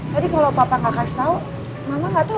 tadi kalau papa gak kasih tau mama gak tau